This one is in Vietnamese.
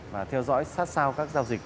và theo dõi sát sao các giao dịch